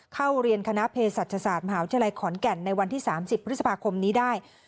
เข้าเรียนคณะเพศศาสตร์มหาวิทยาลัยขอนแก่นในวันที่๓๐พฤษภาคมนี้ได้